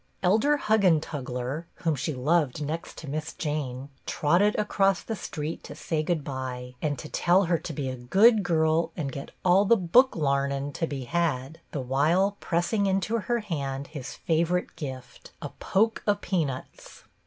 Elder Huggentugler, whom she loved next to Miss Jane, trotted across the street to say good bye, and to tell her to be a good girl and get all the "book lamin' to be had," the while pressing into her hand his favorite gift, a "poke o' peanuts."